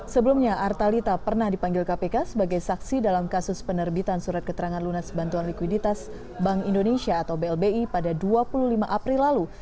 sebelumnya artalita pernah dipanggil kpk sebagai saksi dalam kasus penerbitan surat keterangan lunas bantuan likuiditas bank indonesia atau blbi pada dua puluh lima april lalu